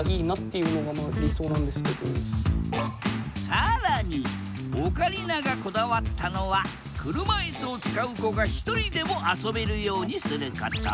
更にオカリナがこだわったのは車いすを使う子がひとりでも遊べるようにすること。